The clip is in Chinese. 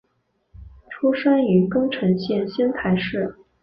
出身于宫城县仙台市。